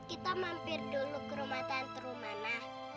kita mampir dulu ke rumah tante rumana